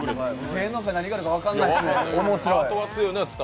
芸能界、何があるか分からないですね。